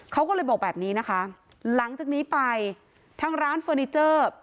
เขาก็เลยบอกแบบนี้นะคะหลังจากนี้ไปทางร้านเฟอร์นิเจอร์